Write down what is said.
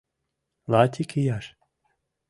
Латик ияш.